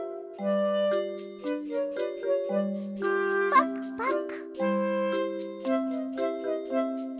パクパク！